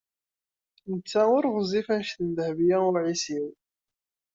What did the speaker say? Netta ur ɣezzif anect n Dehbiya u Ɛisiw.